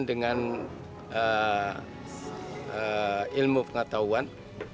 dengan ilmu pengetahuan